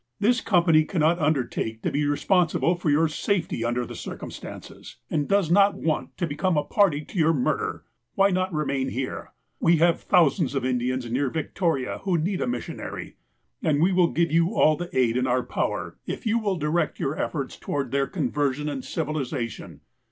This company cannot undertake to be responsible for your safety, under the circumstances, and does not want to become a party to your murder. Why not remain here ? We have thousands of Indians near Victoria who need a missionary, and we will give you all the aid in our power if you will direct your efforts towards their con version and civilization."